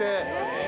え。